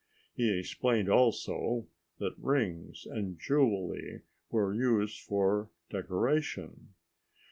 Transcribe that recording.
He explained also that rings and jewelry were used for decoration.